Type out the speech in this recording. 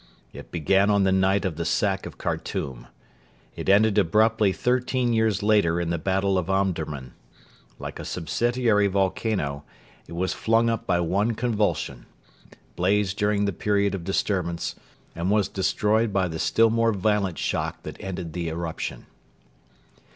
It began on the night of the sack of Khartoum. It ended abruptly thirteen years later in the battle of Omdurman. Like a subsidiary volcano, it was flung up by one convulsion, blazed during the period of disturbance, and was destroyed by the still more violent shock that ended the eruption.